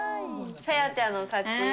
さやてゃの勝ち。